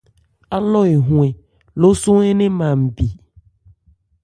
Álɔ́ hɔ-ɛn lóso ń nɛn ma npì.